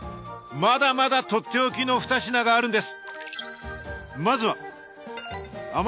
まだまだとっておきの２品があるんです。